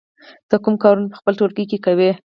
ته کوم کارونه په خپل ټولګي کې کوې؟